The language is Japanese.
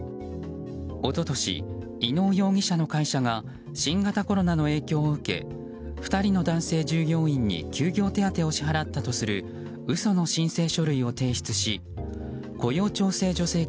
一昨年、伊能容疑者の会社が新型コロナの影響を受け２人の男性従業員に休業手当を支払ったとする嘘の申請書類を提出し雇用調整助成金